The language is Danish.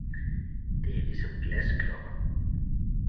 Det er ligesom glasklokker!